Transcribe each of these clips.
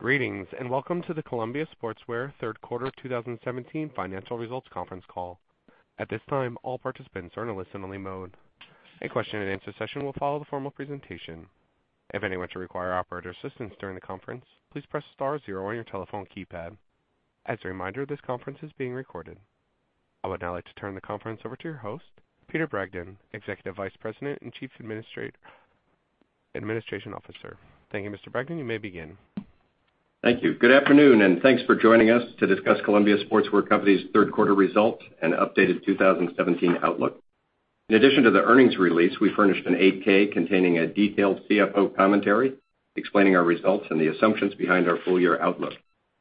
Greetings, and welcome to the Columbia Sportswear Company third quarter 2017 financial results conference call. At this time, all participants are in listen-only mode. A question and answer session will follow the formal presentation. If anyone should require operator assistance during the conference, please press star zero on your telephone keypad. As a reminder, this conference is being recorded. I would now like to turn the conference over to your host, Peter Bragdon, Executive Vice President and Chief Administrative Officer. Thank you, Mr. Bragdon. You may begin. Thank you. Good afternoon, thanks for joining us to discuss Columbia Sportswear Company's third quarter results and updated 2017 outlook. In addition to the earnings release, we furnished an 8-K containing a detailed CFO commentary explaining our results and the assumptions behind our full-year outlook.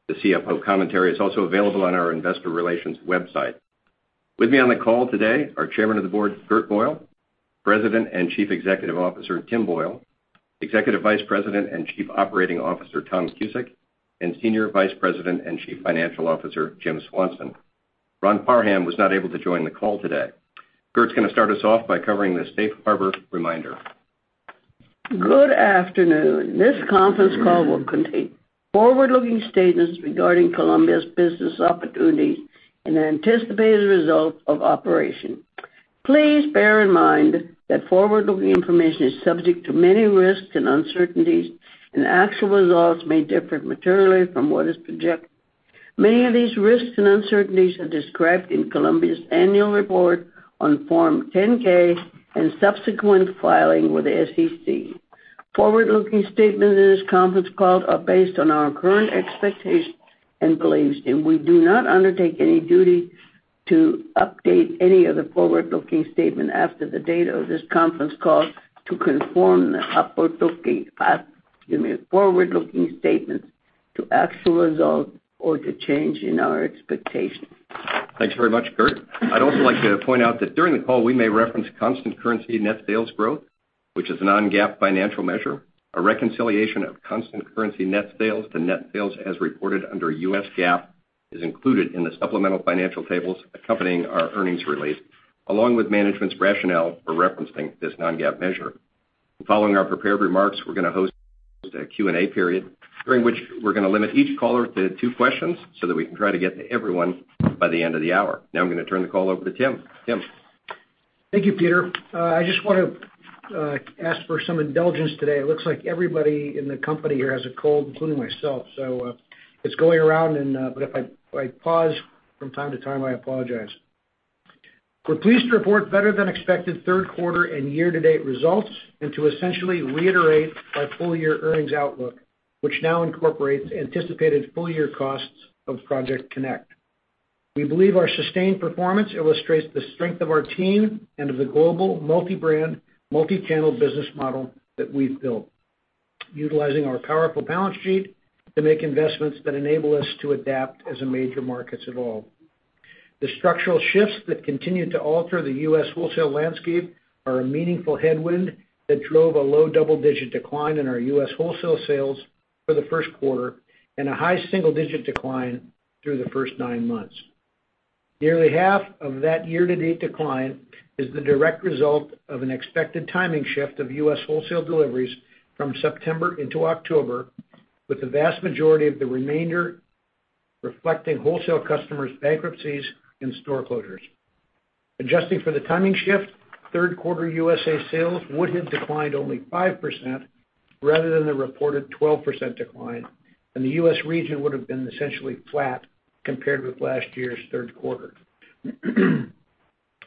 The CFO commentary is also available on our investor relations website. With me on the call today are Chairman of the Board, Gert Boyle, President and Chief Executive Officer, Tim Boyle, Executive Vice President and Chief Operating Officer, Tom Cusick, and Senior Vice President and Chief Financial Officer, Jim Swanson. Ron Parham was not able to join the call today. Gert's going to start us off by covering the safe harbor reminder. Good afternoon. This conference call will contain forward-looking statements regarding Columbia's business opportunities and anticipated results of operation. Please bear in mind that forward-looking information is subject to many risks and uncertainties, actual results may differ materially from what is projected. Many of these risks and uncertainties are described in Columbia's annual report on Form 10-K and subsequent filing with the SEC. Forward-looking statements in this conference call are based on our current expectations and beliefs, we do not undertake any duty to update any of the forward-looking statements after the date of this conference call to conform the forward-looking statements to actual results or to change in our expectations. Thanks very much, Gert. I'd also like to point out that during the call, we may reference constant currency net sales growth, which is a non-GAAP financial measure. A reconciliation of constant currency net sales to net sales as reported under US GAAP is included in the supplemental financial tables accompanying our earnings release, along with management's rationale for referencing this non-GAAP measure. Following our prepared remarks, we're going to host a Q&A period, during which we're going to limit each caller to two questions so that we can try to get to everyone by the end of the hour. I'm going to turn the call over to Tim. Tim? Thank you, Peter. I just want to ask for some indulgence today. It looks like everybody in the company here has a cold, including myself, so it's going around. If I pause from time to time, I apologize. We're pleased to report better than expected third quarter and year-to-date results, and to essentially reiterate our full-year earnings outlook, which now incorporates anticipated full-year costs of Project CONNECT. We believe our sustained performance illustrates the strength of our team and of the global multi-brand, multi-channel business model that we've built, utilizing our powerful balance sheet to make investments that enable us to adapt as the major markets evolve. The structural shifts that continue to alter the U.S. wholesale landscape are a meaningful headwind that drove a low double-digit decline in our U.S. wholesale sales for the first quarter and a high single-digit decline through the first nine months. Nearly half of that year-to-date decline is the direct result of an expected timing shift of U.S. wholesale deliveries from September into October, with the vast majority of the remainder reflecting wholesale customers' bankruptcies and store closures. Adjusting for the timing shift, third quarter U.S.A. sales would have declined only 5% rather than the reported 12% decline, and the U.S. region would've been essentially flat compared with last year's third quarter.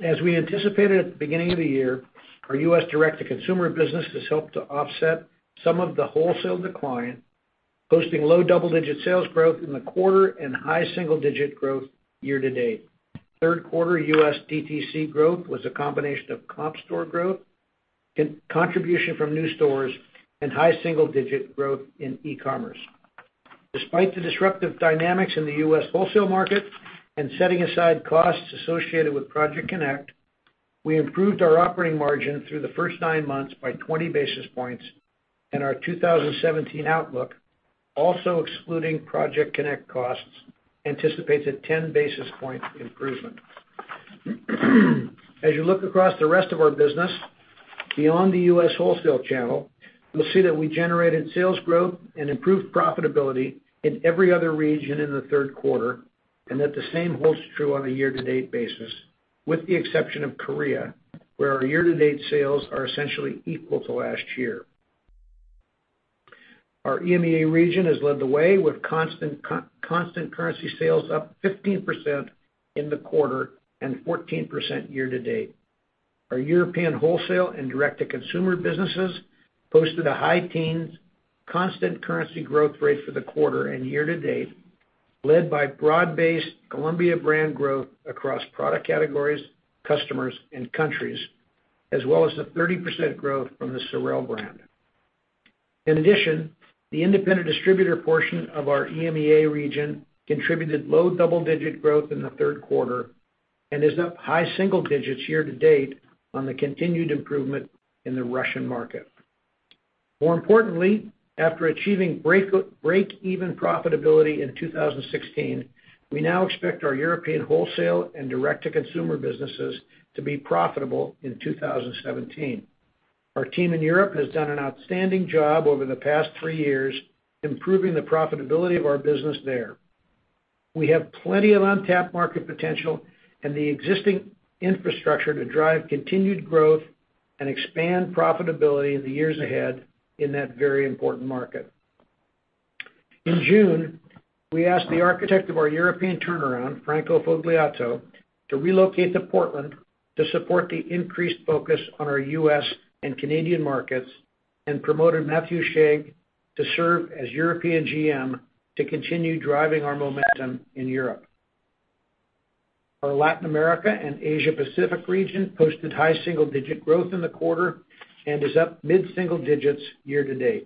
As we anticipated at the beginning of the year, our U.S. direct-to-consumer business has helped to offset some of the wholesale decline, posting low double-digit sales growth in the quarter and high single-digit growth year to date. Third quarter U.S. DTC growth was a combination of comp store growth, contribution from new stores, and high single-digit growth in e-commerce. Despite the disruptive dynamics in the U.S. wholesale market and setting aside costs associated with Project CONNECT, we improved our operating margin through the first nine months by 20 basis points, and our 2017 outlook, also excluding Project CONNECT costs, anticipates a 10 basis point improvement. As you look across the rest of our business, beyond the U.S. wholesale channel, you'll see that we generated sales growth and improved profitability in every other region in the third quarter, and that the same holds true on a year-to-date basis, with the exception of Korea, where our year-to-date sales are essentially equal to last year. Our EMEA region has led the way with constant currency sales up 15% in the quarter and 14% year to date. Our European wholesale and direct-to-consumer businesses posted a high teens constant currency growth rate for the quarter and year to date, led by broad-based Columbia brand growth across product categories, customers, and countries, as well as the 30% growth from the SOREL brand. In addition, the independent distributor portion of our EMEA region contributed low double-digit growth in the third quarter and is up high single digits year to date on the continued improvement in the Russian market. After achieving break-even profitability in 2016, we now expect our European wholesale and direct-to-consumer businesses to be profitable in 2017. Our team in Europe has done an outstanding job over the past three years improving the profitability of our business there. We have plenty of untapped market potential and the existing infrastructure to drive continued growth and expand profitability in the years ahead in that very important market. In June, we asked the architect of our European turnaround, Franco Fogliatto, to relocate to Portland to support the increased focus on our U.S. and Canadian markets. Promoted Matthieu Schegg to serve as European GM to continue driving our momentum in Europe. Our Latin America and Asia Pacific region posted high single-digit growth in the quarter and is up mid-single digits year-over-year.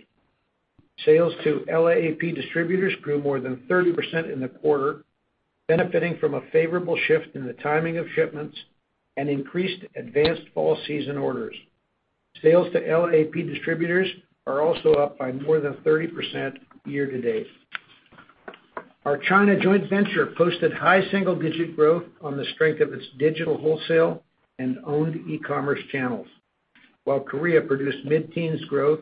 Sales to LAAP distributors grew more than 30% in the quarter, benefiting from a favorable shift in the timing of shipments and increased advanced fall season orders. Sales to LAAP distributors are also up by more than 30% year-to-date. Our China joint venture posted high single-digit growth on the strength of its digital wholesale and owned e-commerce channels. Korea produced mid-teens growth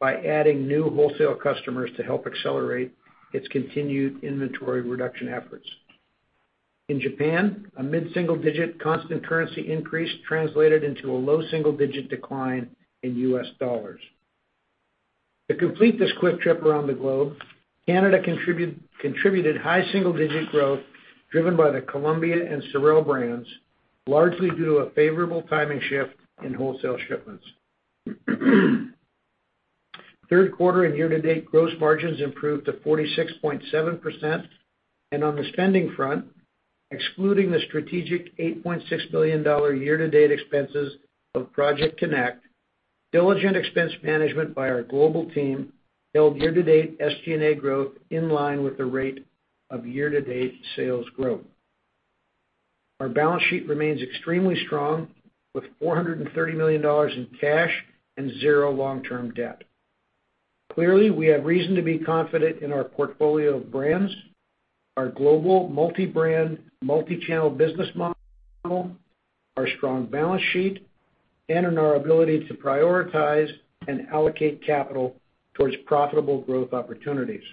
by adding new wholesale customers to help accelerate its continued inventory reduction efforts. In Japan, a mid-single digit constant currency increase translated into a low single-digit decline in U.S. dollars. To complete this quick trip around the globe, Canada contributed high single-digit growth driven by the Columbia and SOREL brands, largely due to a favorable timing shift in wholesale shipments. Third quarter and year-to-date gross margins improved to 46.7%. On the spending front, excluding the strategic $8.6 billion year-to-date expenses of Project CONNECT, diligent expense management by our global team held year-to-date SG&A growth in line with the rate of year-to-date sales growth. Our balance sheet remains extremely strong with $430 million in cash and zero long-term debt. Clearly, we have reason to be confident in our portfolio of brands, our global multi-brand, multi-channel business model, our strong balance sheet, and in our ability to prioritize and allocate capital towards profitable growth opportunities.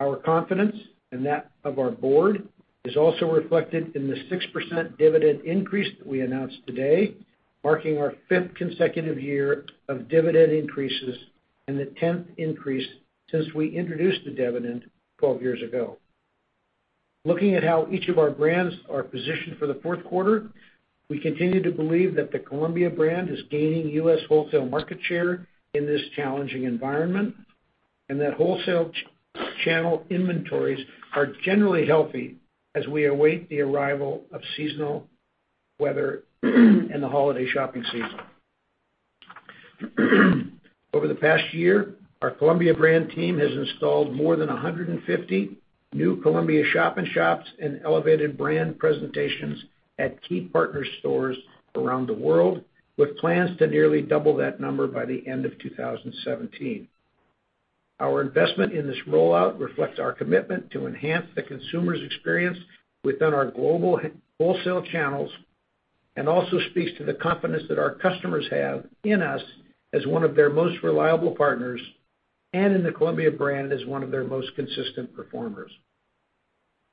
Our confidence, and that of our board, is also reflected in the 6% dividend increase that we announced today, marking our fifth consecutive year of dividend increases and the tenth increase since we introduced the dividend 12 years ago. Looking at how each of our brands are positioned for the fourth quarter, we continue to believe that the Columbia brand is gaining U.S. wholesale market share in this challenging environment, that wholesale channel inventories are generally healthy as we await the arrival of seasonal weather and the holiday shopping season. Over the past year, our Columbia brand team has installed more than 150 new Columbia shop-in-shops and elevated brand presentations at key partner stores around the world, with plans to nearly double that number by the end of 2017. Our investment in this rollout reflects our commitment to enhance the consumer's experience within our global wholesale channels and also speaks to the confidence that our customers have in us as one of their most reliable partners and in the Columbia brand as one of their most consistent performers.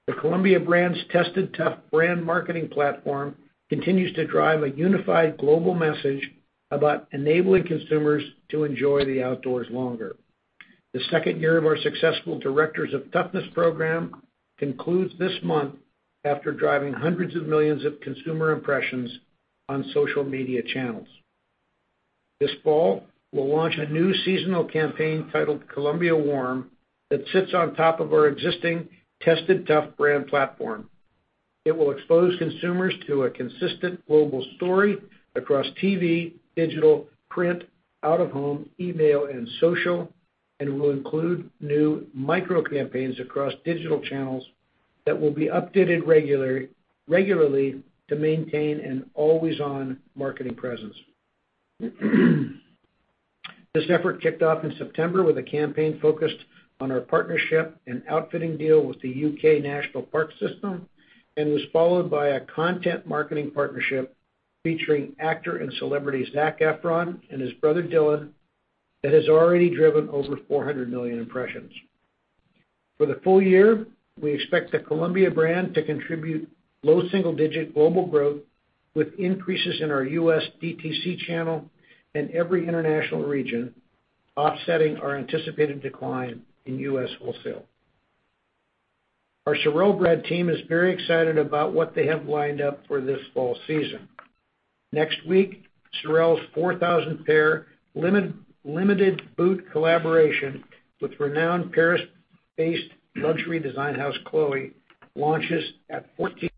The Columbia brand's Tested Tough brand marketing platform continues to drive a unified global message about enabling consumers to enjoy the outdoors longer. The second year of our successful Directors of Toughness program concludes this month after driving hundreds of millions of consumer impressions on social media channels. This fall, we'll launch a new seasonal campaign titled Columbia Warm that sits on top of our existing Tested Tough brand platform. It will expose consumers to a consistent global story across TV, digital, print, out-of-home, email, and social, and will include new micro campaigns across digital channels that will be updated regularly to maintain an always-on marketing presence. This effort kicked off in September with a campaign focused on our partnership and outfitting deal with the U.K. National Park system. It was followed by a content marketing partnership featuring actor and celebrity Zac Efron and his brother Dylan that has already driven over 400 million impressions. For the full year, we expect the Columbia brand to contribute low single-digit global growth with increases in our U.S. DTC channel and every international region offsetting our anticipated decline in U.S. wholesale. Our SOREL brand team is very excited about what they have lined up for this fall season. Next week, SOREL's 4,000 pair limited boot collaboration with renowned Paris-based luxury design house Chloé launches at 14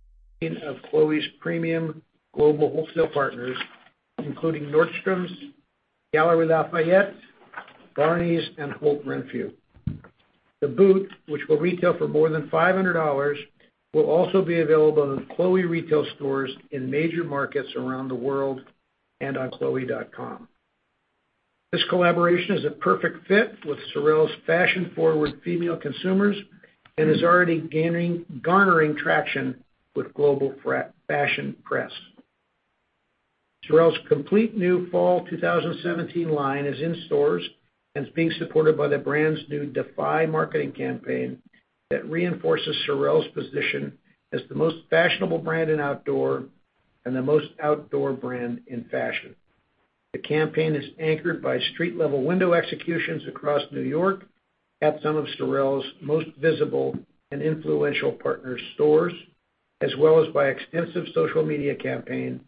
of Chloé's premium global wholesale partners, including Nordstrom, Galeries Lafayette, Barneys, and Holt Renfrew. The boot, which will retail for more than $500, will also be available in Chloé retail stores in major markets around the world and on chloe.com. This collaboration is a perfect fit with SOREL's fashion-forward female consumers and is already garnering traction with global fashion press. SOREL's complete new fall 2017 line is in stores. It is being supported by the brand's new Defy marketing campaign that reinforces SOREL's position as the most fashionable brand in outdoor and the most outdoor brand in fashion. The campaign is anchored by street-level window executions across N.Y. at some of SOREL's most visible and influential partner stores, as well as by extensive social media campaign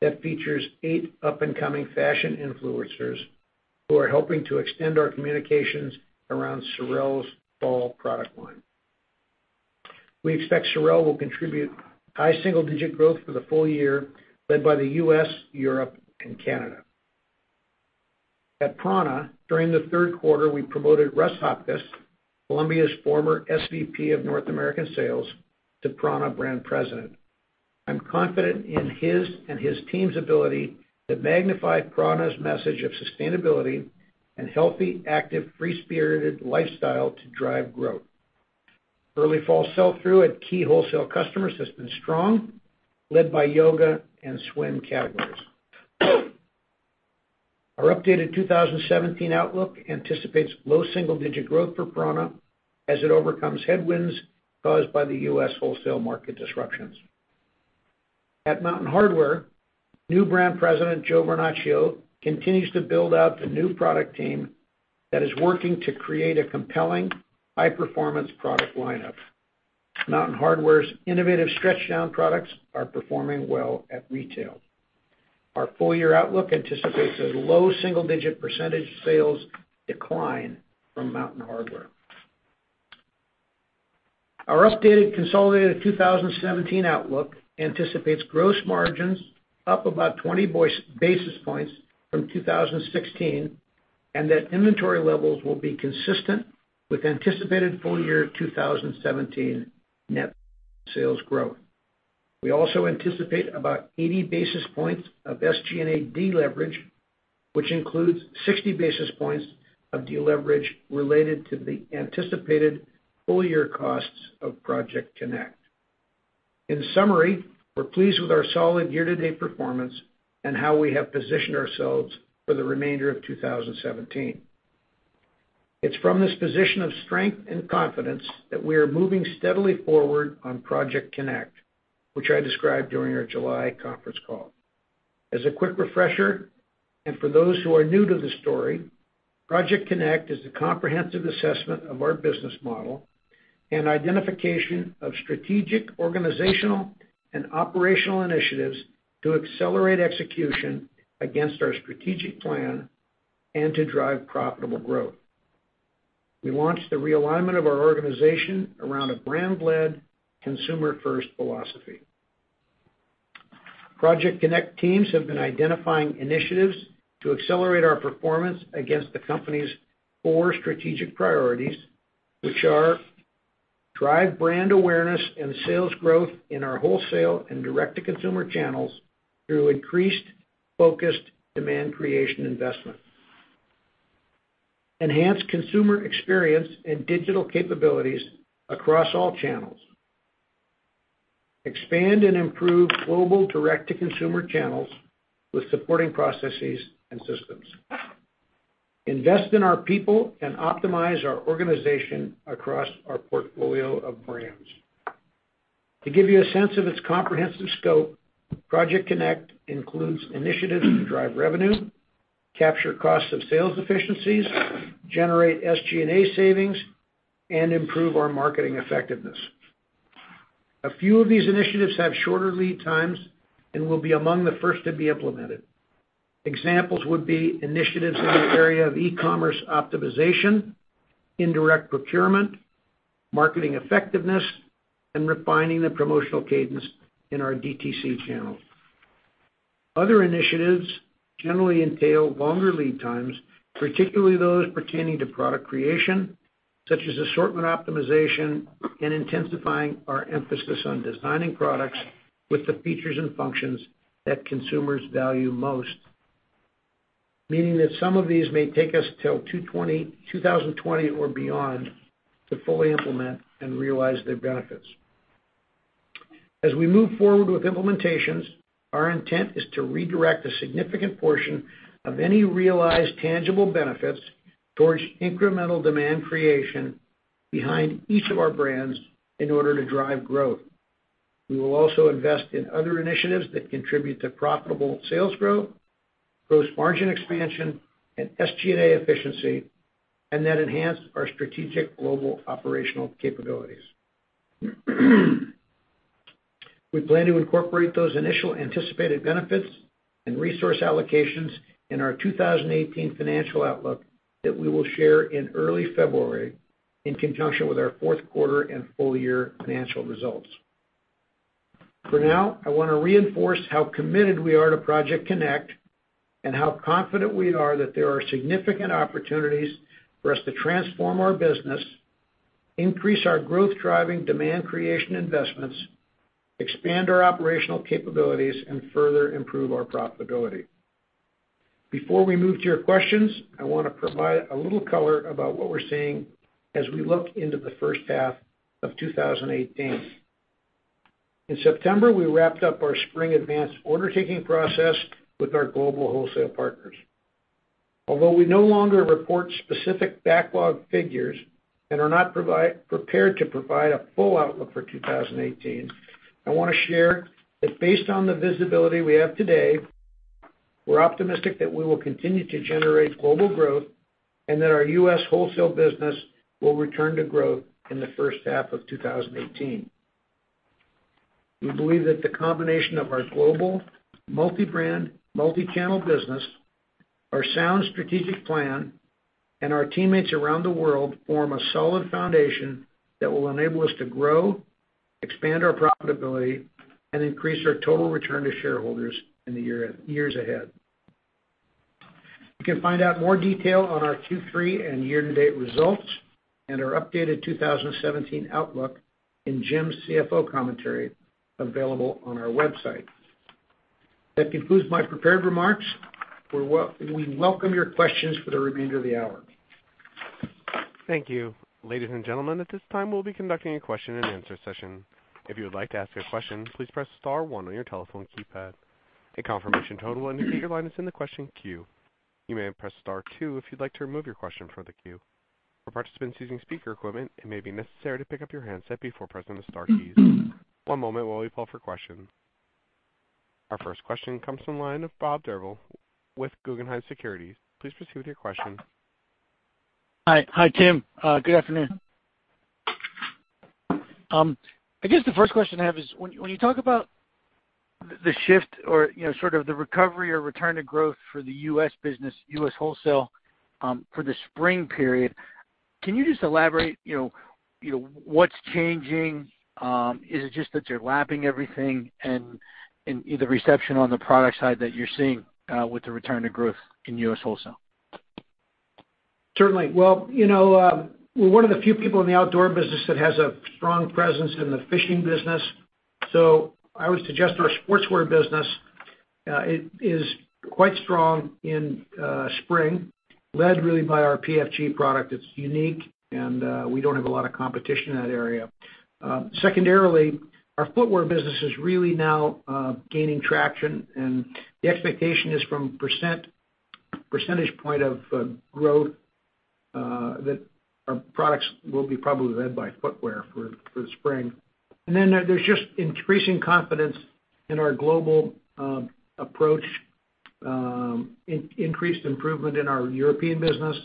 that features eight up-and-coming fashion influencers who are helping to extend our communications around SOREL's fall product line. We expect SOREL will contribute high single-digit growth for the full year, led by the U.S., Europe, and Canada. At prAna, during the third quarter, we promoted Russ Hopcus, Columbia's former SVP of North American sales to prAna brand president. I'm confident in his and his team's ability to magnify prAna's message of sustainability and healthy, active, free-spirited lifestyle to drive growth. Early fall sell-through at key wholesale customers has been strong, led by yoga and swim categories. Our updated 2017 outlook anticipates low double-digit growth for prAna as it overcomes headwinds caused by the U.S. wholesale market disruptions. At Mountain Hardwear, new brand president, Joe Vernachio, continues to build out the new product team that is working to create a compelling high-performance product lineup. Mountain Hardwear's innovative StretchDown products are performing well at retail. Our full-year outlook anticipates a low single-digit percentage sales decline from Mountain Hardwear. Our updated consolidated 2017 outlook anticipates gross margins up about 20 basis points from 2016. That inventory levels will be consistent with anticipated full year 2017 net sales growth. We also anticipate about 80 basis points of SG&A deleverage, which includes 60 basis points of deleverage related to the anticipated full-year costs of Project CONNECT. In summary, we're pleased with our solid year-to-date performance and how we have positioned ourselves for the remainder of 2017. It's from this position of strength and confidence that we are moving steadily forward on Project CONNECT, which I described during our July conference call. As a quick refresher, and for those who are new to the story, Project CONNECT is a comprehensive assessment of our business model and identification of strategic, organizational, and operational initiatives to accelerate execution against our strategic plan and to drive profitable growth. We launched the realignment of our organization around a brand-led, consumer-first philosophy. Project CONNECT teams have been identifying initiatives to accelerate our performance against the company's four strategic priorities, which are: drive brand awareness and sales growth in our wholesale and direct-to-consumer channels through increased, focused demand creation investment. Enhance consumer experience and digital capabilities across all channels. Expand and improve global direct-to-consumer channels with supporting processes and systems. Invest in our people and optimize our organization across our portfolio of brands. To give you a sense of its comprehensive scope, Project CONNECT includes initiatives to drive revenue, capture cost of sales efficiencies, generate SG&A savings, and improve our marketing effectiveness. A few of these initiatives have shorter lead times and will be among the first to be implemented. Examples would be initiatives in the area of e-commerce optimization, indirect procurement, marketing effectiveness, and refining the promotional cadence in our DTC channels. Other initiatives generally entail longer lead times, particularly those pertaining to product creation, such as assortment optimization and intensifying our emphasis on designing products with the features and functions that consumers value most, meaning that some of these may take us till 2020 or beyond to fully implement and realize their benefits. As we move forward with implementations, our intent is to redirect a significant portion of any realized tangible benefits towards incremental demand creation behind each of our brands in order to drive growth. We will also invest in other initiatives that contribute to profitable sales growth, gross margin expansion, and SG&A efficiency, and that enhance our strategic global operational capabilities. We plan to incorporate those initial anticipated benefits and resource allocations in our 2018 financial outlook that we will share in early February in conjunction with our fourth quarter and full-year financial results. For now, I want to reinforce how committed we are to Project CONNECT and how confident we are that there are significant opportunities for us to transform our business. Increase our growth-driving demand creation investments, expand our operational capabilities, and further improve our profitability. Before we move to your questions, I want to provide a little color about what we're seeing as we look into the first half of 2018. In September, we wrapped up our spring advance order taking process with our global wholesale partners. Although we no longer report specific backlog figures and are not prepared to provide a full outlook for 2018, I want to share that based on the visibility we have today, we're optimistic that we will continue to generate global growth and that our U.S. wholesale business will return to growth in the first half of 2018. We believe that the combination of our global multi-brand, multi-channel business, our sound strategic plan, and our teammates around the world form a solid foundation that will enable us to grow, expand our profitability, and increase our total return to shareholders in the years ahead. You can find out more detail on our Q3 and year-to-date results and our updated 2017 outlook in Jim's CFO commentary available on our website. That concludes my prepared remarks. We welcome your questions for the remainder of the hour. Thank you. Ladies and gentlemen, at this time we'll be conducting a question and answer session. If you would like to ask a question, please press star one on your telephone keypad. A confirmation tone will indicate your line is in the question queue. You may press star two if you'd like to remove your question from the queue. For participants using speaker equipment, it may be necessary to pick up your handset before pressing the star keys. One moment while we pull for questions. Our first question comes from the line of Bob Drbul with Guggenheim Securities. Please proceed with your question. Hi, Tim. Good afternoon. I guess the first question I have is, when you talk about the shift or sort of the recovery or return to growth for the U.S. business, U.S. wholesale for the spring period, can you just elaborate what's changing? Is it just that you're lapping everything and the reception on the product side that you're seeing with the return to growth in U.S. wholesale? Certainly. Well, we're one of the few people in the outdoor business that has a strong presence in the fishing business. I would suggest our sportswear business is quite strong in spring, led really by our PFG product that's unique, and we don't have a lot of competition in that area. Secondarily, our footwear business is really now gaining traction, and the expectation is from percentage point of growth that our products will be probably led by footwear for the spring. There's just increasing confidence in our global approach, increased improvement in our European business,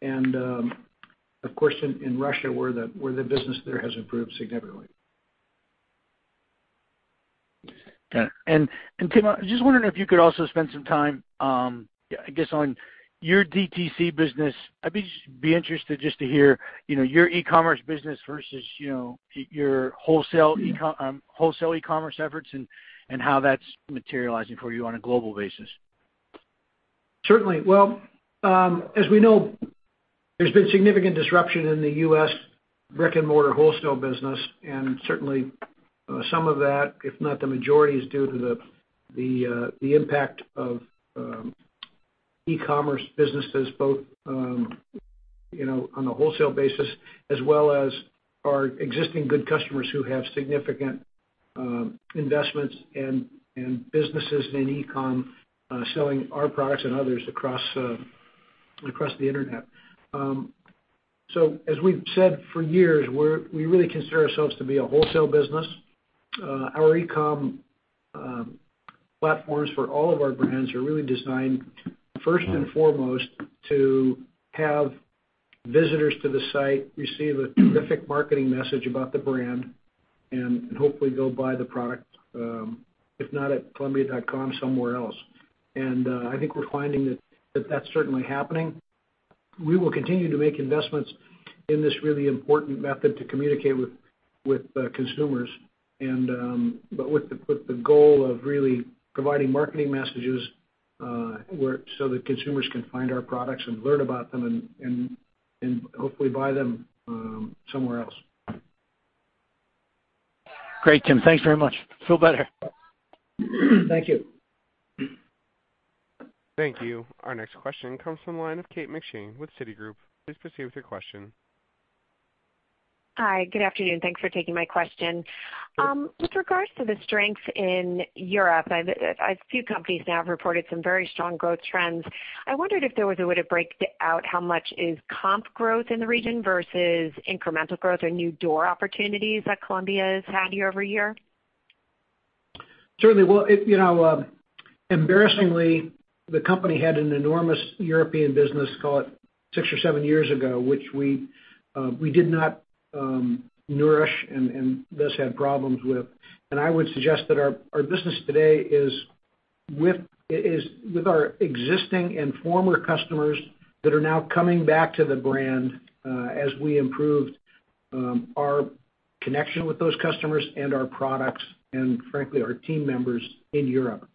and of course, in Russia, where the business there has improved significantly. Okay. Tim, I was just wondering if you could also spend some time on your DTC business. I'd be interested just to hear your e-commerce business versus your wholesale e-commerce efforts and how that's materializing for you on a global basis. Certainly. Well, as we know, there's been significant disruption in the U.S. brick-and-mortar wholesale business, certainly some of that, if not the majority, is due to the impact of e-commerce businesses both on a wholesale basis as well as our existing good customers who have significant investments in businesses and in e-com selling our products and others across the internet. As we've said for years, we really consider ourselves to be a wholesale business. Our e-com platforms for all of our brands are really designed first and foremost to have visitors to the site receive a terrific marketing message about the brand and hopefully go buy the product, if not at columbia.com, somewhere else. I think we're finding that that's certainly happening. We will continue to make investments in this really important method to communicate with consumers, with the goal of really providing marketing messages so that consumers can find our products and learn about them and hopefully buy them somewhere else. Great, Tim. Thanks very much. Feel better. Thank you. Thank you. Our next question comes from the line of Kate McShane with Citigroup. Please proceed with your question. Hi. Good afternoon. Thanks for taking my question. Sure. With regards to the strength in Europe, a few companies now have reported some very strong growth trends. I wondered if there was a way to break out how much is comp growth in the region versus incremental growth or new door opportunities that Columbia has had year-over-year. Certainly. Well, embarrassingly, the company had an enormous European business, call it six or seven years ago, which we did not nourish and thus had problems with. I would suggest that our business today is with our existing and former customers that are now coming back to the brand as we improved our connection with those customers and our products and frankly, our team members in Europe.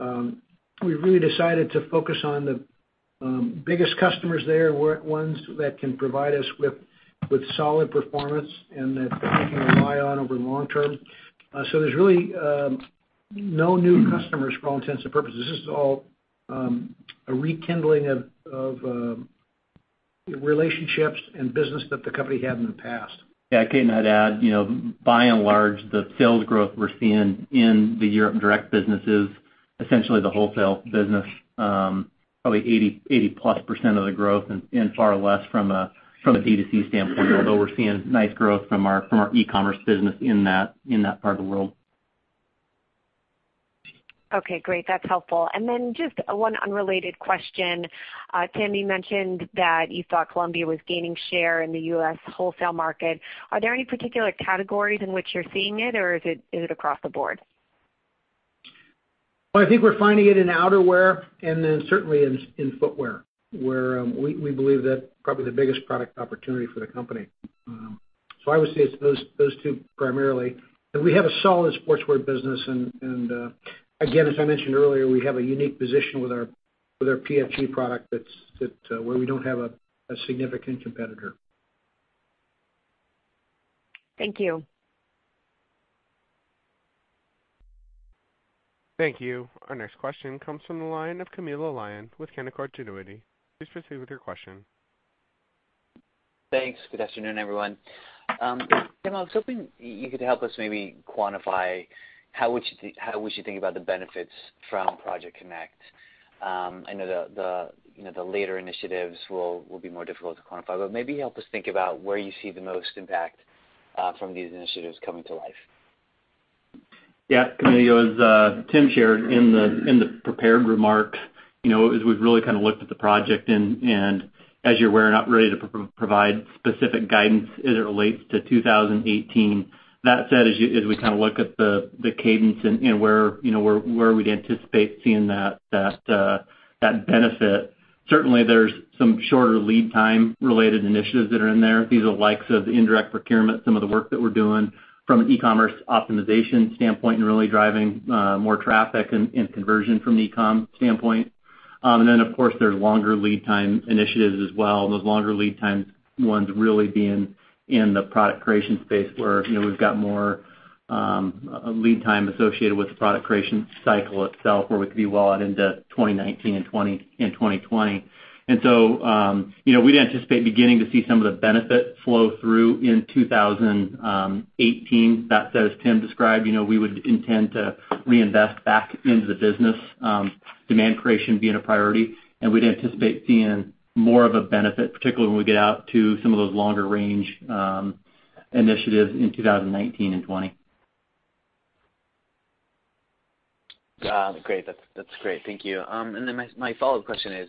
We really decided to focus on the biggest customers there were ones that can provide us with solid performance and that we can rely on over the long term. There's really no new customers for all intents and purposes. This is all a rekindling of relationships and business that the company had in the past. Yeah, I'd add, by and large, the sales growth we're seeing in the Europe direct businesses, essentially the wholesale business, probably 80-plus % of the growth and far less from a D2C standpoint. Although we're seeing nice growth from our e-commerce business in that part of the world. Okay, great. That's helpful. Just one unrelated question. Tim, you mentioned that you thought Columbia was gaining share in the U.S. wholesale market. Are there any particular categories in which you're seeing it, or is it across the board? Well, I think we're finding it in outerwear and then certainly in footwear, where we believe that probably the biggest product opportunity for the company. I would say it's those two primarily. We have a solid sportswear business, and again, as I mentioned earlier, we have a unique position with our PFG product, where we don't have a significant competitor. Thank you. Thank you. Our next question comes from the line of Camilo Lyon with Canaccord Genuity. Please proceed with your question. Thanks. Good afternoon, everyone. Jim, I was hoping you could help us maybe quantify how we should think about the benefits from Project CONNECT. I know the later initiatives will be more difficult to quantify, but maybe help us think about where you see the most impact from these initiatives coming to life. Yeah. Camilo, as Tim shared in the prepared remarks, as we've really looked at the project and as you're aware, we're not ready to provide specific guidance as it relates to 2018. That said, as we look at the cadence and where we'd anticipate seeing that benefit, certainly there's some shorter lead time related initiatives that are in there. These are the likes of the indirect procurement, some of the work that we're doing from an e-commerce optimization standpoint and really driving more traffic and conversion from an e-com standpoint. Then, of course, there's longer lead time initiatives as well. Those longer lead time ones really being in the product creation space where we've got more lead time associated with the product creation cycle itself, where we could be well out into 2019 and 2020. We'd anticipate beginning to see some of the benefit flow through in 2018. That said, as Tim described, we would intend to reinvest back into the business, demand creation being a priority, and we'd anticipate seeing more of a benefit, particularly when we get out to some of those longer range initiatives in 2019 and 2020. Got it. Great. That's great. Thank you. My follow-up question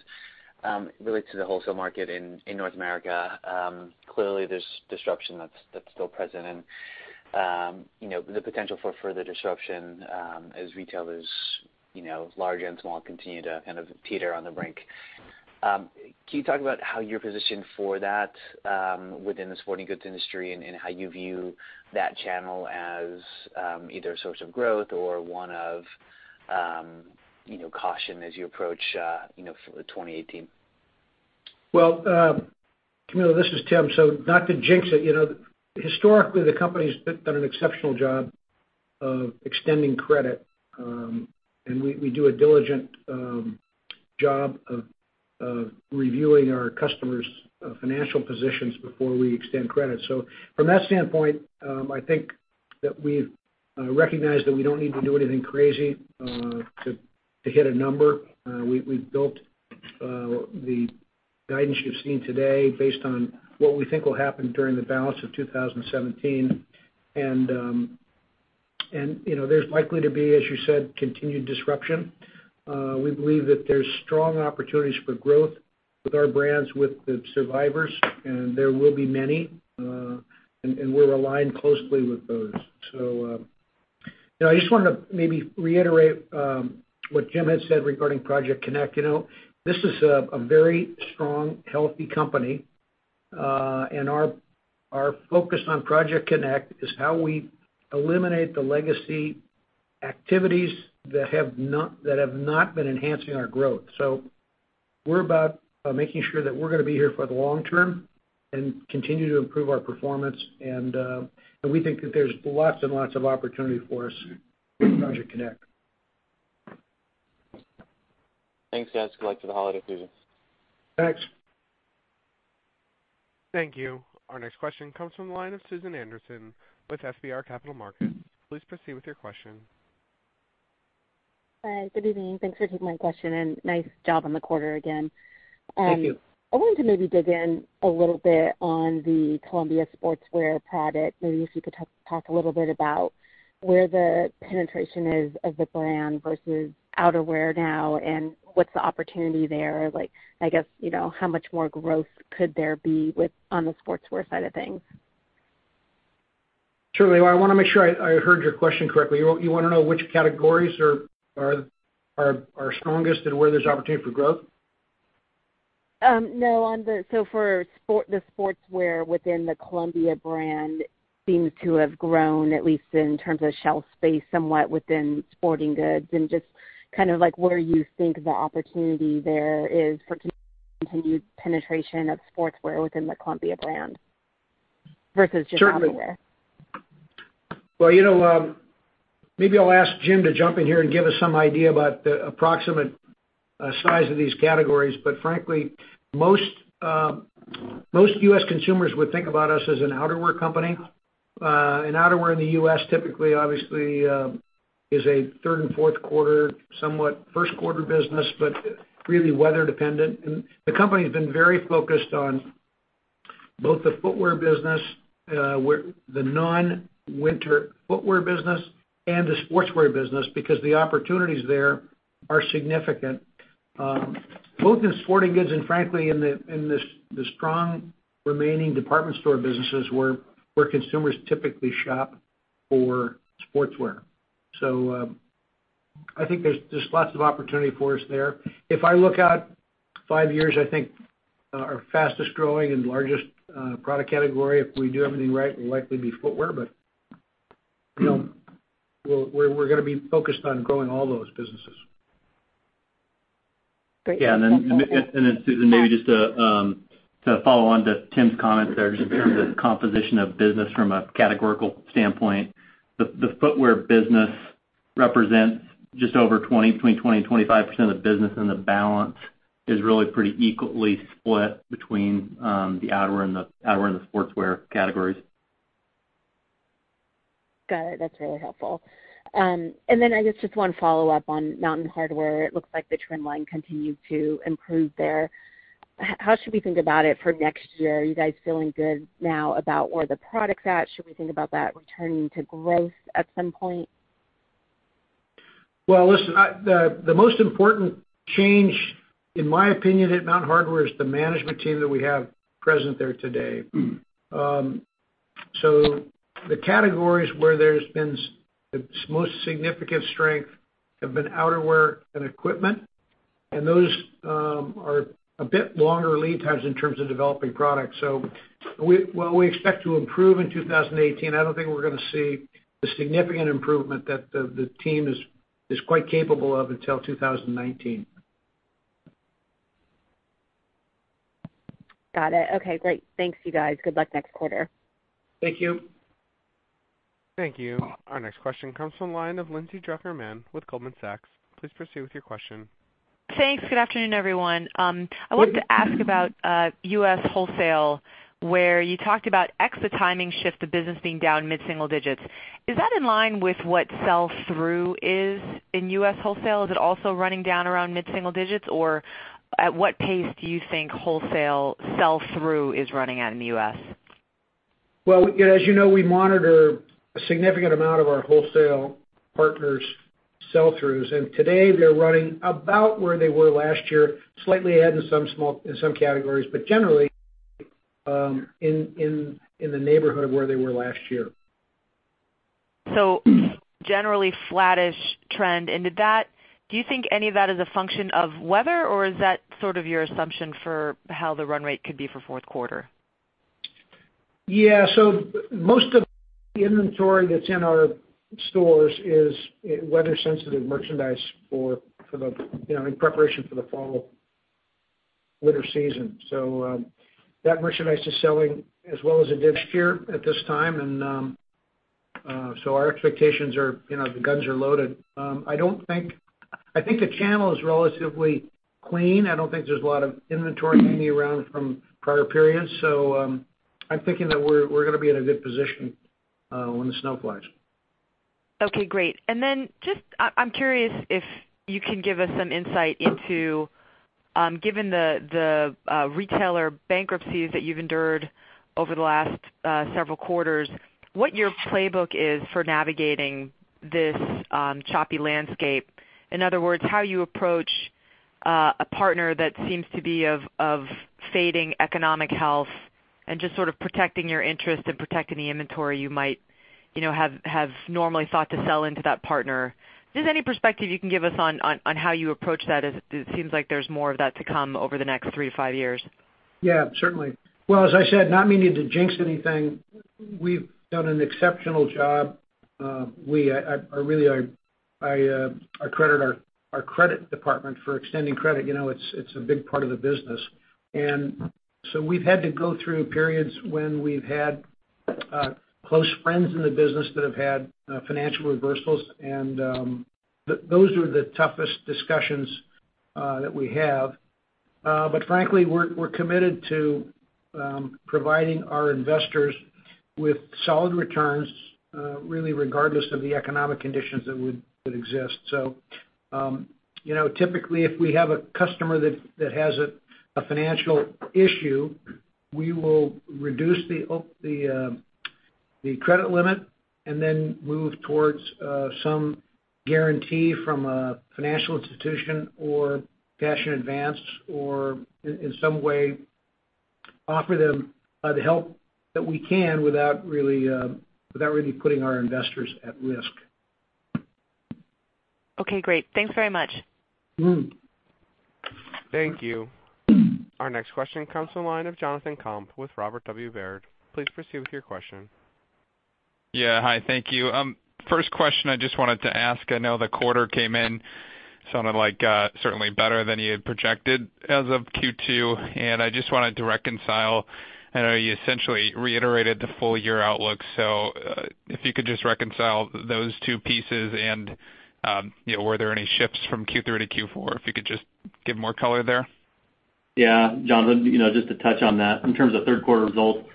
relates to the wholesale market in North America. Clearly, there's disruption that's still present and the potential for further disruption, as retailers, large and small, continue to teeter on the brink. Can you talk about how you're positioned for that within the sporting goods industry and how you view that channel as either a source of growth or one of caution as you approach 2018? Well, Camilo, this is Tim. Not to jinx it. Historically, the company's done an exceptional job of extending credit, and we do a diligent job of reviewing our customers' financial positions before we extend credit. From that standpoint, I think that we've recognized that we don't need to do anything crazy to hit a number. We've built the guidance you've seen today based on what we think will happen during the balance of 2017. There's likely to be, as you said, continued disruption. We believe that there's strong opportunities for growth with our brands, with the survivors, and there will be many. We're aligned closely with those. I just wanted to maybe reiterate what Jim had said regarding Project CONNECT. This is a very strong, healthy company. Our focus on Project CONNECT is how we eliminate the legacy activities that have not been enhancing our growth. We're about making sure that we're going to be here for the long term and continue to improve our performance. We think that there's lots and lots of opportunity for us with Project CONNECT. Thanks, guys. Good luck for the holiday season. Thanks. Thank you. Our next question comes from the line of Susan Anderson with FBR Capital Markets. Please proceed with your question. Hi, good evening. Thanks for taking my question, and nice job on the quarter again. Thank you. I wanted to maybe dig in a little bit on the Columbia Sportswear product. Maybe if you could talk a little bit about where the penetration is of the brand versus outerwear now and what's the opportunity there. I guess, how much more growth could there be on the sportswear side of things? Truly. Well, I want to make sure I heard your question correctly. You want to know which categories are strongest and where there's opportunity for growth? No. For the sportswear within the Columbia brand seems to have grown, at least in terms of shelf space, somewhat within sporting goods. Just kind of like where you think the opportunity there is for continued penetration of sportswear within the Columbia brand versus just outerwear. Certainly. Well, maybe I'll ask Jim to jump in here and give us some idea about the approximate size of these categories. Frankly, most U.S. consumers would think about us as an outerwear company. Outwear in the U.S. typically, obviously, is a third and fourth quarter, somewhat first quarter business, but really weather dependent. The company has been very focused on both the footwear business, the non-winter footwear business, and the sportswear business, because the opportunities there are significant. Both in sporting goods and frankly, in the strong remaining department store businesses where consumers typically shop for sportswear. I think there's lots of opportunity for us there. If I look out five years, I think our fastest growing and largest product category, if we do everything right, will likely be footwear. We're going to be focused on growing all those businesses. Great. Thanks. Susan, maybe just to follow on to Tim's comments there, just in terms of composition of business from a categorical standpoint. The footwear business represents just between 20% and 25% of the business, and the balance is really pretty equally split between the outerwear and the sportswear categories. Got it. That's really helpful. I guess just one follow-up on Mountain Hardwear. It looks like the trend line continued to improve there. How should we think about it for next year? Are you guys feeling good now about where the product's at? Should we think about that returning to growth at some point? Well, listen, the most important change, in my opinion, at Mountain Hardwear is the management team that we have present there today. The categories where there's been the most significant strength have been outerwear and equipment, those are a bit longer lead times in terms of developing product. While we expect to improve in 2018, I don't think we're going to see the significant improvement that the team is quite capable of until 2019. Got it. Okay, great. Thanks, you guys. Good luck next quarter. Thank you. Thank you. Our next question comes from the line of Lindsay Drucker Mann with Goldman Sachs. Please proceed with your question. Thanks. Good afternoon, everyone. I wanted to ask about U.S. wholesale, where you talked about ex the timing shift of business being down mid-single digits. Is that in line with what sell-through is in U.S. wholesale? Is it also running down around mid-single digits? Or at what pace do you think wholesale sell-through is running at in the U.S.? As you know, we monitor a significant amount of our wholesale partners' sell-throughs. Today they're running about where they were last year, slightly ahead in some categories, generally in the neighborhood of where they were last year. Generally flat-ish trend. Do you think any of that is a function of weather? Is that sort of your assumption for how the run rate could be for fourth quarter? Yeah. Most of the inventory that's in our stores is weather sensitive merchandise in preparation for the fall/winter season. That merchandise is selling as well as it did here at this time. Our expectations are, the guns are loaded. I think the channel is relatively clean. I don't think there's a lot of inventory hanging around from prior periods. I'm thinking that we're going to be in a good position when the snow flies. Okay, great. Just, I'm curious if you can give us some insight into, given the retailer bankruptcies that you've endured over the last several quarters, what your playbook is for navigating this choppy landscape. In other words, how you approach a partner that seems to be of fading economic health and just sort of protecting your interest and protecting the inventory you might have normally thought to sell into that partner. Just any perspective you can give us on how you approach that, as it seems like there's more of that to come over the next three to five years. Certainly. Well, as I said, not meaning to jinx anything, we've done an exceptional job. I really credit our credit department for extending credit. It's a big part of the business. We've had to go through periods when we've had close friends in the business that have had financial reversals, and those are the toughest discussions that we have. Frankly, we're committed to providing our investors with solid returns, really regardless of the economic conditions that exist. Typically if we have a customer that has a financial issue, we will reduce the credit limit and then move towards some guarantee from a financial institution or cash in advance, or in some way offer them the help that we can without really putting our investors at risk. Okay, great. Thanks very much. Thank you. Our next question comes from the line of Jonathan Komp with Robert W. Baird. Please proceed with your question. Hi, thank you. First question I just wanted to ask. I know the quarter came in, sounded like certainly better than you had projected as of Q2. I just wanted to reconcile. I know you essentially reiterated the full year outlook, if you could just reconcile those two pieces and were there any shifts from Q3 to Q4? If you could just give more color there. Yeah. Jonathan, just to touch on that. In terms of third quarter results,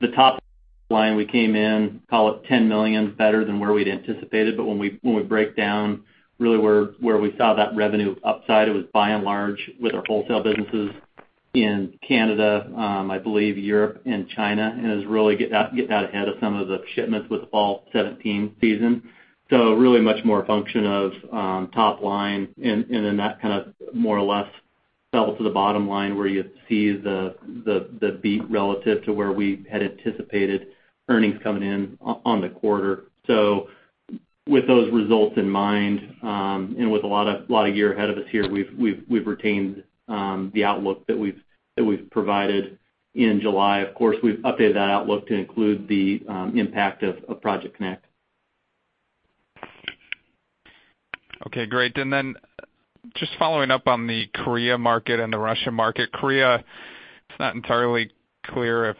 the top line we came in, call it $10 million better than where we'd anticipated. When we break down really where we saw that revenue upside, it was by and large with our wholesale businesses in Canada, I believe Europe and China, and is really getting out ahead of some of the shipments with the fall 2017 season. Really much more a function of top line and then that more or less fell to the bottom line where you see the beat relative to where we had anticipated earnings coming in on the quarter. With those results in mind, and with a lot of year ahead of us here, we've retained the outlook that we've provided in July. Of course, we've updated that outlook to include the impact of Project CONNECT. Okay, great. Then just following up on the Korea market and the Russia market. Korea, it's not entirely clear if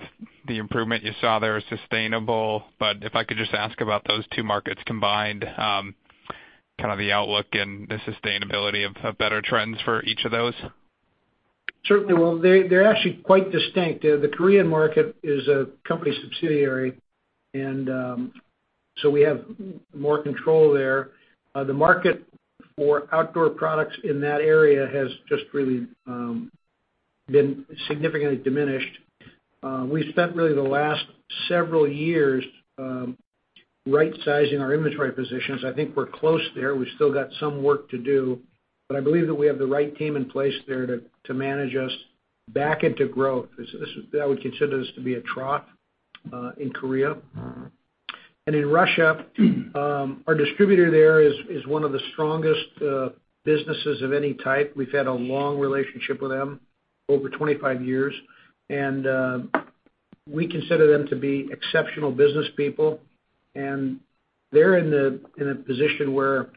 the improvement you saw there is sustainable, if I could just ask about those two markets combined, the outlook and the sustainability of better trends for each of those. Certainly. Well, they're actually quite distinct. The Korean market is a company subsidiary and so we have more control there. The market for outdoor products in that area has just really been significantly diminished. We spent really the last several years right sizing our inventory positions. I think we're close there. We've still got some work to do, but I believe that we have the right team in place there to manage us back into growth. I would consider this to be a trough in Korea. In Russia, our distributor there is one of the strongest businesses of any type. We've had a long relationship with them, over 25 years, and we consider them to be exceptional business people. They're in a position where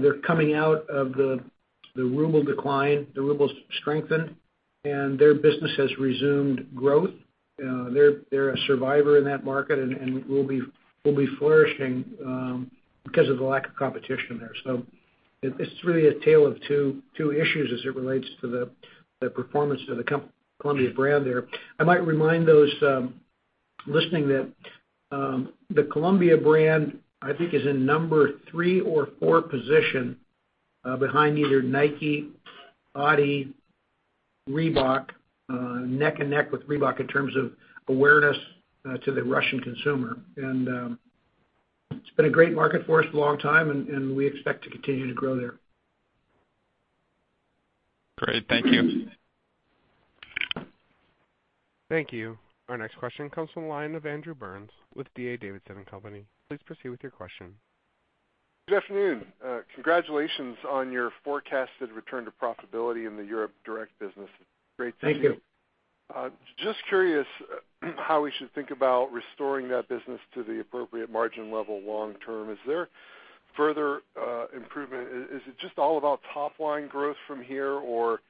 they're coming out of the ruble decline, the ruble strengthen, and their business has resumed growth. They're a survivor in that market and will be flourishing because of the lack of competition there. It's really a tale of two issues as it relates to the performance of the Columbia brand there. I might remind those listening that the Columbia brand, I think, is in number 3 or 4 position behind either Nike, Adidas, Reebok. Neck and neck with Reebok in terms of awareness to the Russian consumer. It's been a great market for us a long time, and we expect to continue to grow there. Great. Thank you. Thank you. Our next question comes from the line of Andrew Burns with D.A. Davidson & Co. Please proceed with your question. Good afternoon. Congratulations on your forecasted return to profitability in the Europe direct business. Thank you. Just curious how we should think about restoring that business to the appropriate margin level long term. Is there further improvement? Is it just all about top line growth from here or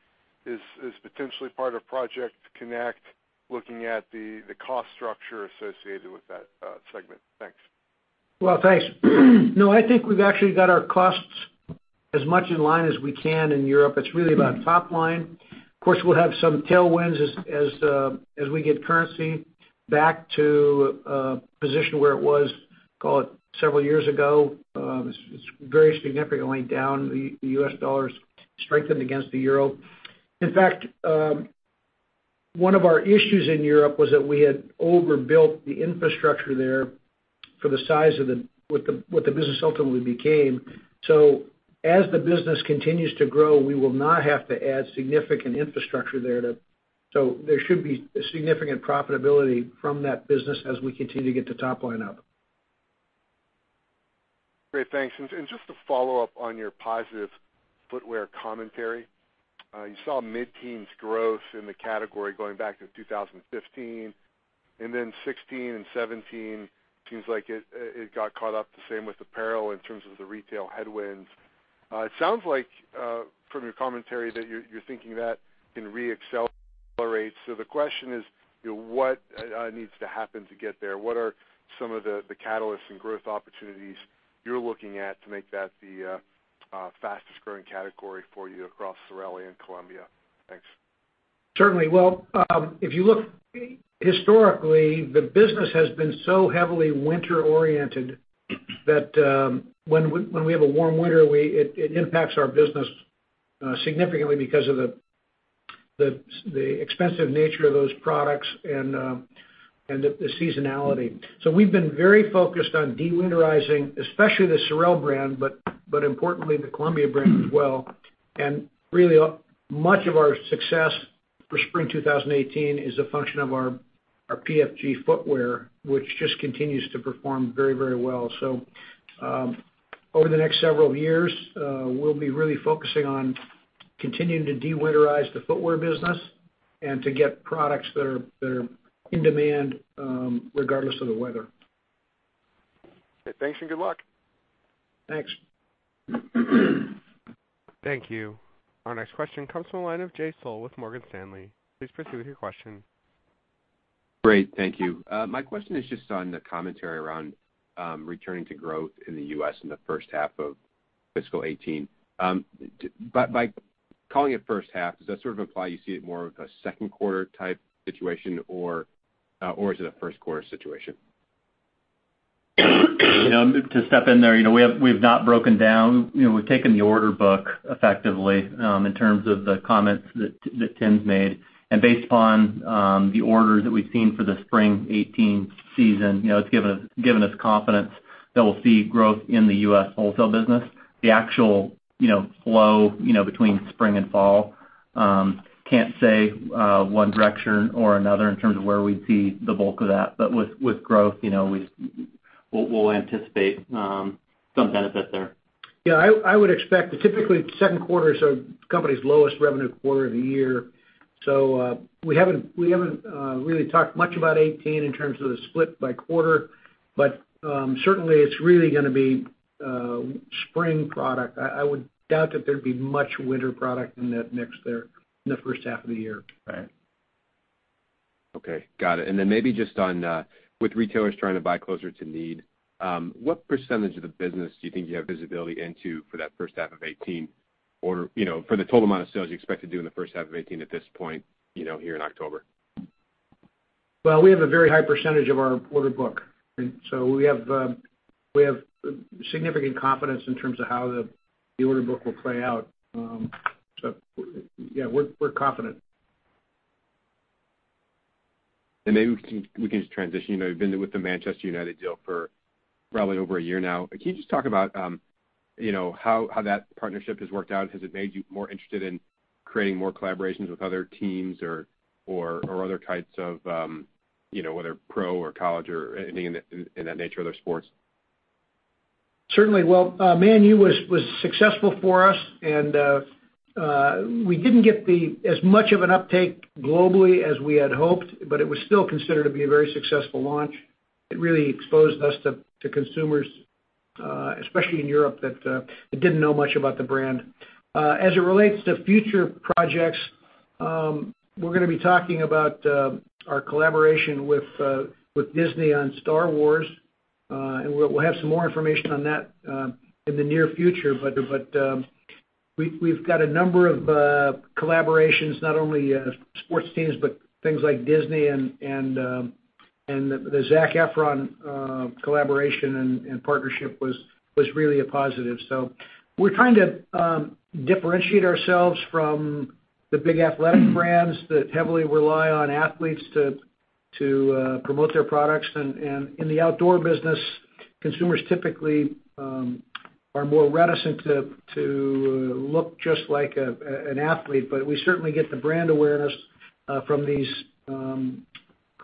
is potentially part of Project CONNECT looking at the cost structure associated with that segment? Thanks. Well, thanks. No, I think we've actually got our costs as much in line as we can in Europe. It's really about top line. Of course, we'll have some tailwinds as we get currency back to a position where it was, call it several years ago. It's very significantly down. The U.S. dollar's strengthened against the euro. In fact, one of our issues in Europe was that we had overbuilt the infrastructure there for the size of what the business ultimately became. As the business continues to grow, we will not have to add significant infrastructure there. There should be significant profitability from that business as we continue to get the top line up. Great. Thanks. Just to follow up on your positive footwear commentary. You saw mid-teens growth in the category going back to 2015, and then 2016 and 2017, seems like it got caught up the same with apparel in terms of the retail headwinds. It sounds like from your commentary that you're thinking that can re-accelerate. The question is what needs to happen to get there? What are some of the catalysts and growth opportunities you're looking at to make that the fastest growing category for you across SOREL and Columbia? Thanks. Certainly. Well, if you look historically, the business has been so heavily winter oriented that when we have a warm winter, it impacts our business significantly because of the expensive nature of those products and the seasonality. We've been very focused on de-winterizing, especially the SOREL brand, but importantly, the Columbia brand as well. Really, much of our success for spring 2018 is a function of our Our PFG footwear, which just continues to perform very well. Over the next several years, we'll be really focusing on continuing to de-winterize the footwear business and to get products that are in demand, regardless of the weather. Okay, thanks and good luck. Thanks. Thank you. Our next question comes from the line of Jay Sole with Morgan Stanley. Please proceed with your question. Great. Thank you. My question is just on the commentary around returning to growth in the U.S. in the first half of fiscal 2018. By calling it first half, does that sort of imply you see it more of a second quarter type situation, or is it a first quarter situation? To step in there, we've not broken down. We've taken the order book effectively, in terms of the comments that Tim's made. Based on the orders that we've seen for the spring 2018 season, it's given us confidence that we'll see growth in the U.S. wholesale business. The actual flow between spring and fall, can't say one direction or another in terms of where we'd see the bulk of that. With growth, we'll anticipate some benefit there. Yeah, I would expect that typically second quarter is a company's lowest revenue quarter of the year. We haven't really talked much about 2018 in terms of the split by quarter. Certainly, it's really gonna be spring product. I would doubt that there'd be much winter product in that mix there in the first half of the year. Right. Okay. Got it. Then maybe just on, with retailers trying to buy closer to need, what % of the business do you think you have visibility into for that first half of 2018 or for the total amount of sales you expect to do in the first half of 2018 at this point, here in October? Well, we have a very high % of our order book, we have significant confidence in terms of how the order book will play out. Yeah, we're confident. Maybe we can just transition. You've been with the Manchester United deal for probably over a year now. Can you just talk about how that partnership has worked out? Has it made you more interested in creating more collaborations with other teams or other types of, whether pro or college or anything in that nature, other sports? Certainly. Man U was successful for us and we didn't get as much of an uptake globally as we had hoped, but it was still considered to be a very successful launch. It really exposed us to consumers, especially in Europe, that didn't know much about the brand. As it relates to future projects, we're gonna be talking about our collaboration with Disney on Star Wars. We'll have some more information on that in the near future. We've got a number of collaborations, not only sports teams, but things like Disney and the Zac Efron collaboration and partnership was really a positive. We're trying to differentiate ourselves from the big athletic brands that heavily rely on athletes to promote their products. In the outdoor business, consumers typically are more reticent to look just like an athlete. We certainly get the brand awareness from these,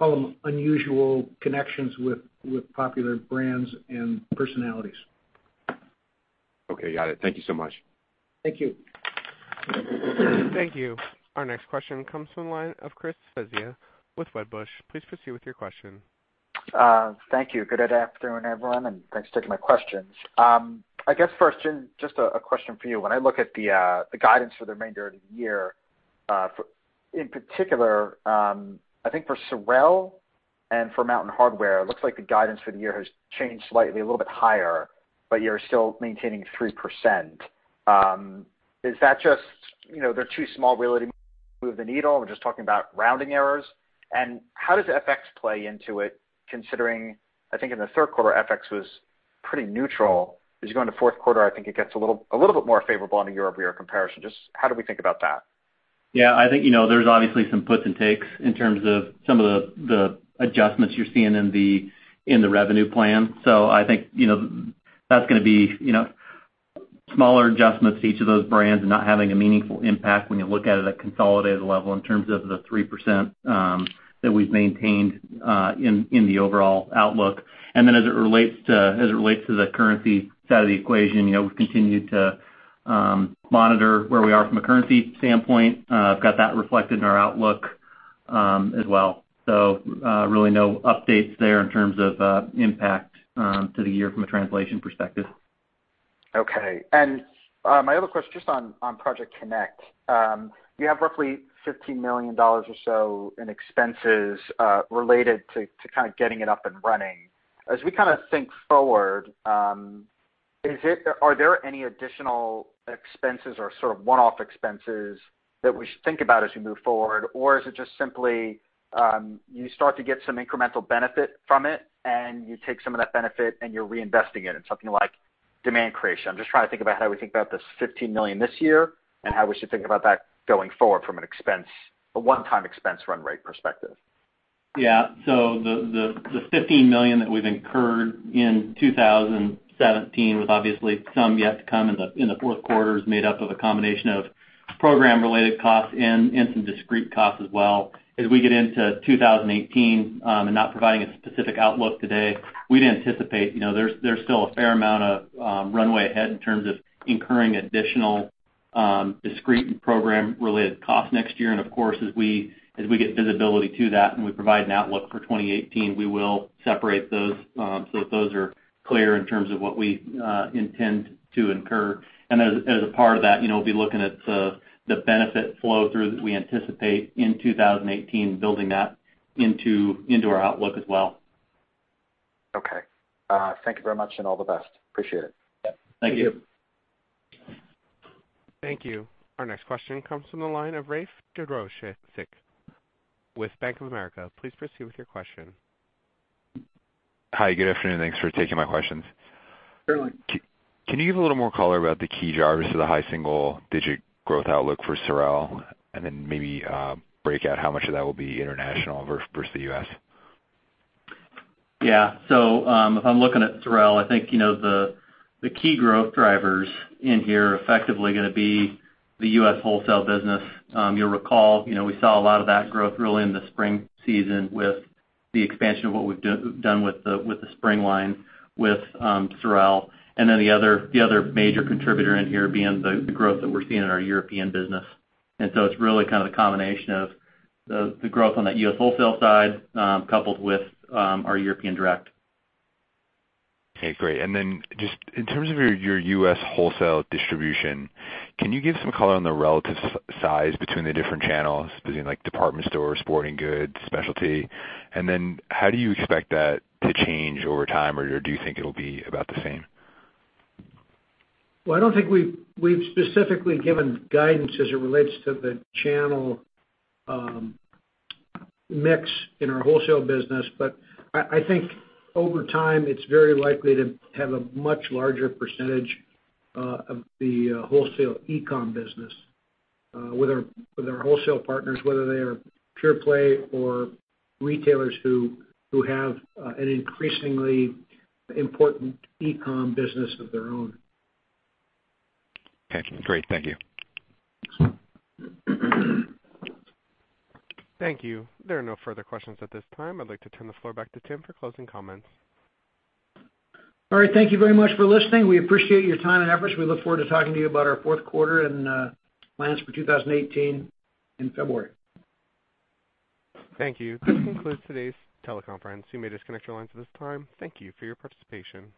call them unusual connections with popular brands and personalities. Okay, got it. Thank you so much. Thank you. Thank you. Our next question comes from the line of Chris Svezia with Wedbush. Please proceed with your question. Thank you. Good afternoon, everyone, and thanks for taking my questions. I guess first, Jim, just a question for you. When I look at the guidance for the remainder of the year, in particular, I think for SOREL and for Mountain Hardwear, it looks like the guidance for the year has changed slightly, a little bit higher, but you're still maintaining 3%. Is that just, they're too small really to move the needle, we're just talking about rounding errors? How does FX play into it, considering, I think in the third quarter, FX was pretty neutral. As you go into fourth quarter, I think it gets a little bit more favorable on a year-over-year comparison. Just how do we think about that? Yeah, I think, there's obviously some puts and takes in terms of some of the adjustments you're seeing in the revenue plan. I think that's gonna be smaller adjustments to each of those brands and not having a meaningful impact when you look at it at consolidated level in terms of the 3% that we've maintained in the overall outlook. Then as it relates to the currency side of the equation, we've continued to monitor where we are from a currency standpoint. We've got that reflected in our outlook as well. Really no updates there in terms of impact to the year from a translation perspective. Okay. My other question, just on Project CONNECT. You have roughly $15 million or so in expenses related to kind of getting it up and running. As we kind of think forward, are there any additional expenses or sort of one-off expenses that we should think about as we move forward? Is it just simply, you start to get some incremental benefit from it, and you take some of that benefit and you're reinvesting it in something like demand creation? I'm just trying to think about how we think about this $15 million this year, and how we should think about that going forward from a one-time expense run rate perspective. Yeah. The $15 million that we've incurred in 2017, with obviously some yet to come in the fourth quarter, is made up of a combination of program-related costs and some discrete costs as well. As we get into 2018, and not providing a specific outlook today, we'd anticipate there's still a fair amount of runway ahead in terms of incurring additional discrete and program-related costs next year. Of course, as we get visibility to that and we provide an outlook for 2018, we will separate those so that those are clear in terms of what we intend to incur. As a part of that, we'll be looking at the benefit flow through that we anticipate in 2018, building that into our outlook as well. Okay. Thank you very much and all the best. Appreciate it. Yeah. Thank you. Thank you. Thank you. Our next question comes from the line of Rafe Jadrosich with Bank of America. Please proceed with your question. Hi, good afternoon. Thanks for taking my questions. Certainly. Can you give a little more color about the key drivers of the high single-digit growth outlook for SOREL, and then maybe break out how much of that will be international versus the U.S.? Yeah. If I'm looking at SOREL, I think the key growth drivers in here are effectively going to be the U.S. wholesale business. You'll recall, we saw a lot of that growth really in the spring season with the expansion of what we've done with the spring line with SOREL. The other major contributor in here being the growth that we're seeing in our European business. It's really kind of the combination of the growth on that U.S. wholesale side, coupled with our European direct. Okay, great. Just in terms of your U.S. wholesale distribution, can you give some color on the relative size between the different channels, between department stores, sporting goods, specialty? How do you expect that to change over time, or do you think it'll be about the same? Well, I don't think we've specifically given guidance as it relates to the channel mix in our wholesale business. I think over time, it's very likely to have a much larger percentage of the wholesale e-com business, with our wholesale partners, whether they are pure play or retailers who have an increasingly important e-com business of their own. Okay, great. Thank you. Thank you. There are no further questions at this time. I'd like to turn the floor back to Tim for closing comments. All right. Thank you very much for listening. We appreciate your time and efforts. We look forward to talking to you about our fourth quarter and plans for 2018 in February. Thank you. This concludes today's teleconference. You may disconnect your lines at this time. Thank you for your participation.